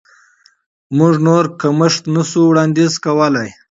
موږ نور تخفیف نشو وړاندیز کولی.